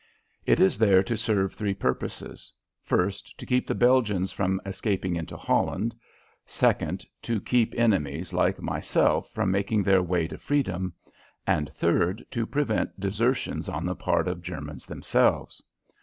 It is there to serve three purposes: first, to keep the Belgians from escaping into Holland; second, to keep enemies, like myself, from making their way to freedom; and, third, to prevent desertions on the part of Germans themselves.